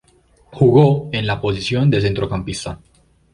Jugó en la posición de centrocampista.